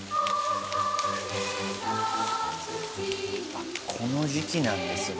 あっこの時期なんですね。